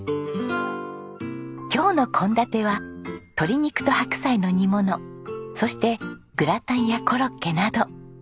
今日の献立は鶏肉と白菜の煮物そしてグラタンやコロッケなど。